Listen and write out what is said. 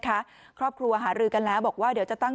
ตอนนี้ก็เพิ่งที่จะสูญเสียคุณย่าไปไม่นาน